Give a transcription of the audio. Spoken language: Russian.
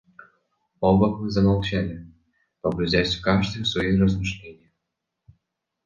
Оба мы замолчали, погрузясь каждый в свои размышления.